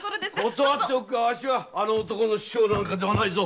断っておくがわしはあの男の師匠なんかではないぞ。